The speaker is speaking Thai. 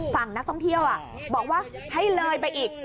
ฝั่งนักท่องเที่ยวบอกว่าให้เลยไปอีก